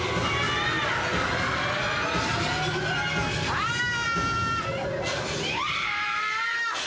ああ！